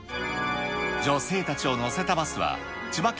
女性たちを乗せたバスは千葉県